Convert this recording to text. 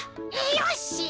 よし！